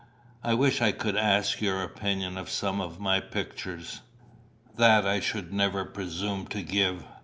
"I wish I could ask your opinion of some of my pictures." "That I should never presume to give.